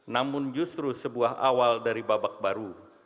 namun justru sebuah awal dari babak baru